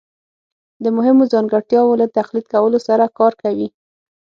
د مهمو ځانګړتیاوو له تقلید کولو سره کار کوي